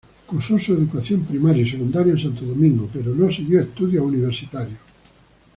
Cursó su educación primaria y secundaria en Santo Domingo, pero no siguió estudios universitarios.